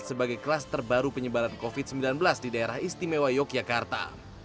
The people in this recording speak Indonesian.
sebagai kluster baru penyebaran covid sembilan belas di daerah istimewa yogyakarta